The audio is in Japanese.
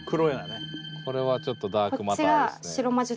これはちょっとダークマターですね。